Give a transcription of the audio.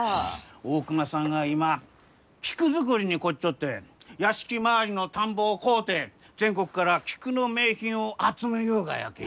大隈さんが今菊作りに凝っちょって屋敷周りの田んぼを買うて全国から菊の名品を集めゆうがやき。